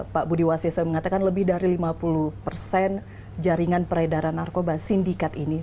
pak budi wasiso mengatakan lebih dari lima puluh persen jaringan peredaran narkoba sindikat ini